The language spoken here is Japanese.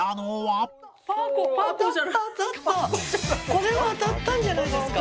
これは当たったんじゃないですか。